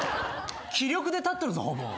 気力で立っとるぞほぼ。